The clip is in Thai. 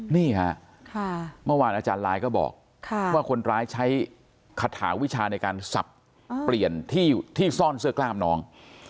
นี่ค่ะเมื่อวานอาจารย์ลายก็บอกว่าคนร้ายใช้คาถาวิชาในการสับเปลี่ยนที่ซ่อนเสื้อกล้ามน้อง